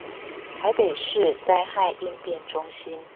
台北市災害應變中心